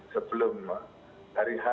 sebelum hari h